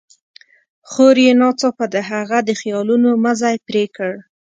خور يې ناڅاپه د هغه د خيالونو مزی پرې کړ.